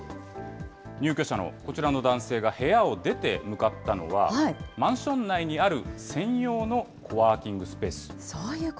入居者のこちらの男性が部屋を出て向かったのは、マンション内にある専用のコワーキングスペース。